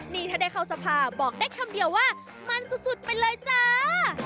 นี่ถ้าได้เข้าสภาบอกได้คำเดียวว่ามันสุดไปเลยจ้า